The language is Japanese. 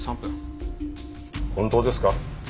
本当ですか？